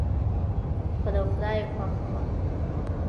خو د خدای خوښه وه.